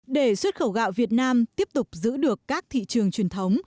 để xuất khẩu gạo việt nam tiếp tục giữ được các thị trường truyền thống